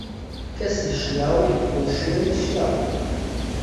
کەسی شیاو، بۆ شوێنی شیاو.